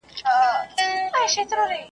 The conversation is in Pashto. هم ښکنځل هم بد او رد یې اورېدله .